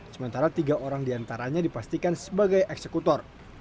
sementara tiga orang diantaranya dipastikan sebagai eksekutor